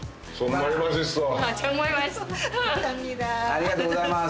ありがとうございます。